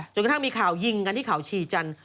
กระทั่งมีข่าวยิงกันที่เขาชีจันทร์